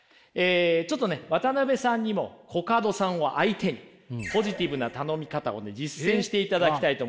ちょっとね渡辺さんにもコカドさんを相手にポジティブな頼み方をね実践していただきたいと思います。